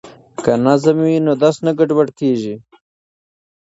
که نظم وي نو درس نه ګډوډیږي.